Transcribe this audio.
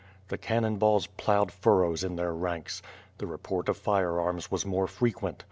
The cannon balls i^loughed furrows in their ranks. The report of firearms wafl more frequent.